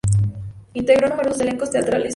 Integró numerosos elencos teatrales.